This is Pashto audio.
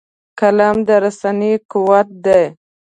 قلم د رسنۍ قوت دی